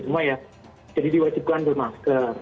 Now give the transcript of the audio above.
semua ya jadi diwajibkan bermasker